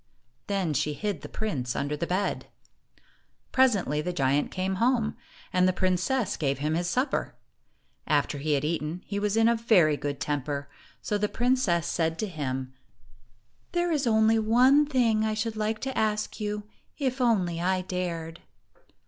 Then she hid the prince under the bed. Presently, the giant came home, and the prin cess gave him his supper. After he had eaten, he was in a very good temper, so the princess said to him, "There is one thing I should like to ask you, if only I dared."